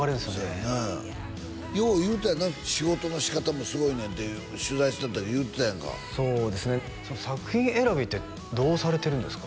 そうやなよう言うてたな仕事の仕方もすごいねんって取材しとったら言うてたやんかそうですね作品選びってどうされてるんですか？